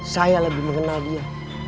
saya lebih mengenal dia